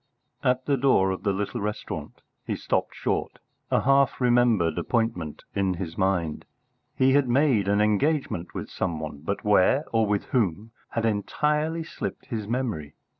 At the door of the little restaurant he stopped short, a half remembered appointment in his mind. He had made an engagement with some one, but where, or with whom, had entirely slipped his memory.